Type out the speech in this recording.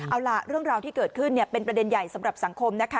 เอาล่ะเรื่องราวที่เกิดขึ้นเป็นประเด็นใหญ่สำหรับสังคมนะคะ